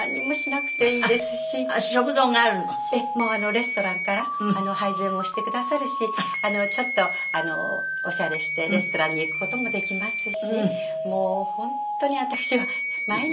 レストランから配膳もしてくださるしちょっとオシャレしてレストランに行く事もできますしもう本当に私は毎日天国。